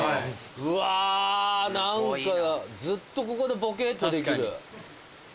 うわ何かずっとここでぼけっとできる。